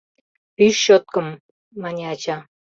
— Пӱй щёткым, — мане ача.